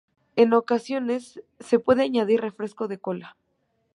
En ocasiones se puede añadir refresco de cola.